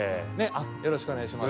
よろしくお願いします。